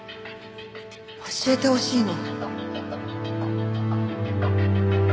教えてほしいの。